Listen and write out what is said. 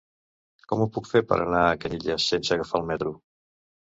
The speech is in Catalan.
Com ho puc fer per anar a Canyelles sense agafar el metro?